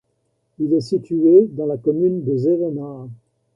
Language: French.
Il est situé dans la commune de Zevenaar.